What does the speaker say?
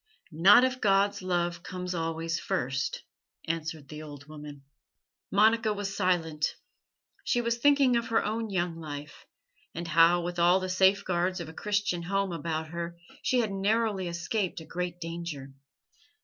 "Not if God's love comes always first," answered the old woman. Monica was silent. She was thinking of her own young life, and how, with all the safeguards of a Christian home about her, she had narrowly escaped a great danger.